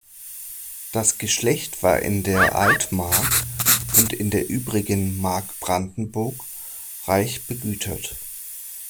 Das Geschlecht war in der Altmark und in der übrigen Mark Brandenburg reich begütert.